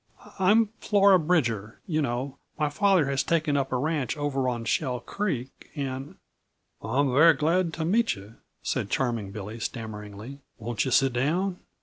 "I'm Flora Bridger; you know, my father has taken up a ranch over on Shell Creek, and " "I'm very glad to meet you," said Charming Billy stammeringly. "Won't you sit down?